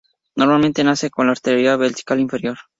Normalmente nace con la arteria vesical inferior.